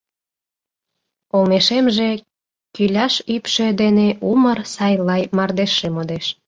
Олмешемже кӱляш ӱпшӧ дене Умыр сай лай мардежше модеш.